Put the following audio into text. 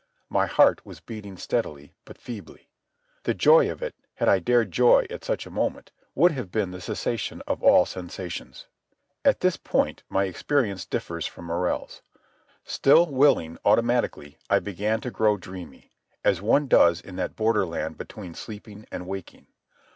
My heart was beating steadily but feebly. The joy of it, had I dared joy at such a moment, would have been the cessation of sensations. At this point my experience differs from Morrell's. Still willing automatically, I began to grow dreamy, as one does in that borderland between sleeping and waking.